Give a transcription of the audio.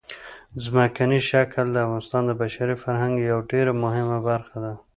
ځمکنی شکل د افغانستان د بشري فرهنګ یوه ډېره مهمه برخه ده.